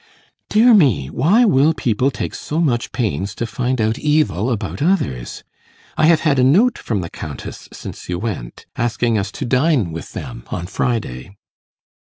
'Dear me! why will people take so much pains to find out evil about others? I have had a note from the Countess since you went, asking us to dine with them on Friday.